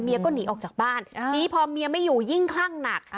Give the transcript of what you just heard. ก็หนีออกจากบ้านนี้พอเมียไม่อยู่ยิ่งคลั่งหนัก